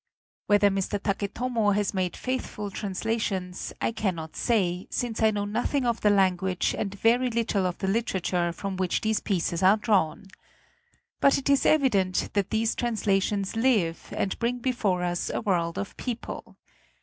Whether Mr. Taketomo has made faithful translations, I cannot say, since I know nothing of the language and very little of the literature from which these pieces are drawn. But it is evi dent that these translations live, and bring before us a world of people.